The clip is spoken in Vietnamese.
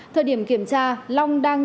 thời điểm kiểm tra long đang